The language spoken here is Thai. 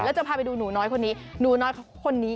เราจะพาไปดูหนูน้อยคนนี้